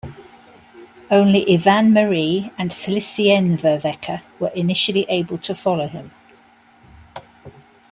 Only Yvan Marie and Felicien Vervaecke were initially able to follow him.